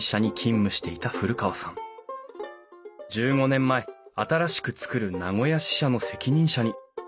１５年前新しく作る名古屋支社の責任者に。